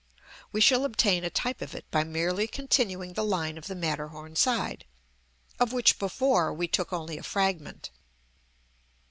We shall obtain a type of it by merely continuing the line of the Matterhorn side, of which before we took only a fragment.